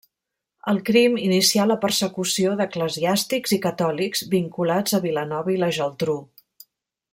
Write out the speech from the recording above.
El crim inicià la persecució d'eclesiàstics i catòlics vinculats a Vilanova i la Geltrú.